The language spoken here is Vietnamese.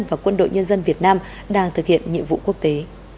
và quân đội nhân dân việt nam đang thực hiện nhiệm vụ quốc tế